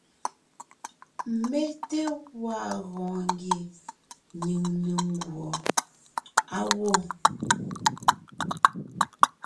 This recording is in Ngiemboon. Mé té gwaa gɔɔn ngie nyìŋ ne nguɔ á gwɔ.